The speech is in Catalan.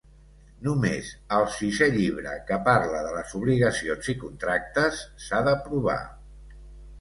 Només el Sisè llibre, que parla de les obligacions i contractes, s'ha d'aprovar.